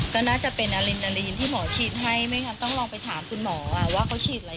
ก็น่าจะเป็นอลินดาลีนที่หมอฉีดให้ไม่งั้นต้องลองไปถามคุณหมอว่าเขาฉีดอะไร